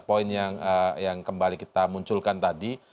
poin yang kembali kita munculkan tadi